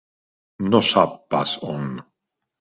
No sap pas on.